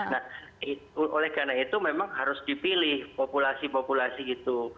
nah oleh karena itu memang harus dipilih populasi populasi itu